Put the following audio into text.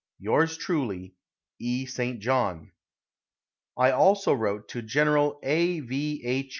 Yours truly, E. ST. JOHN. I also wrote to Gen. A. V. H.